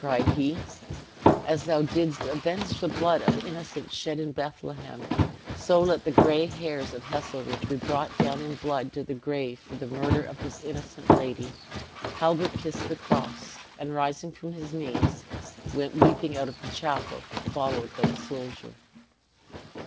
cried he; "as thou didst avenge the blood of innocence shed in Bethlehem, so let the gray hairs of Heselrigge be brought down in blood to the grave for the murder of this innocent lady!" Halbert kissed the cross, and rising from his knees, went weeping out of the chapel, followed by the soldier.